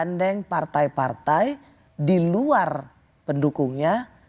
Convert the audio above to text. harus menggandeng partai partai di luar pendukungnya